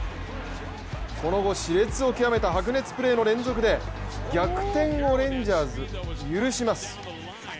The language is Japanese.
この後、しれつを極めて白熱プレーの連続で逆転をレンジャーズ、許します。